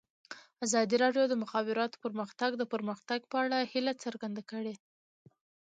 ازادي راډیو د د مخابراتو پرمختګ د پرمختګ په اړه هیله څرګنده کړې.